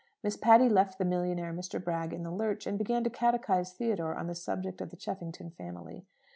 Miss Patty left the millionaire Mr. Bragg in the lurch, and began to catechize Theodore on the subject of the Cheffington family.